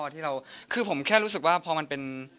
ที่เราคือผมแค่รู้สึกว่าพอมันเป็น